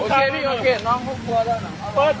โอเคนี่โอเคน้องพวกครัวแล้วหน่อย